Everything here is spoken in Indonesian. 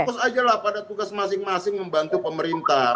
fokus aja lah pada tugas masing masing membantu pemerintah